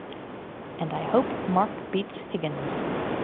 And I hope Mark beats Higgins!